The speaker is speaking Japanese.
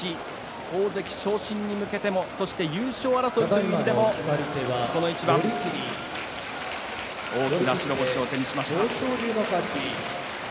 大関昇進に向けてもそして優勝争いという意味でもこの一番大きな白星を手にしました。